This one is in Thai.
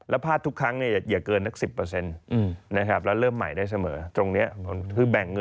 แล้วก็เป็น๖เดือน